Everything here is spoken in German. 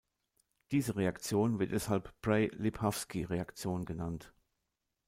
Diese Reaktion wird deshalb Bray-Liebhafsky-Reaktion genannt.